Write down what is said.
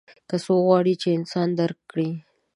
که څوک غواړي چې انسان درک کړي.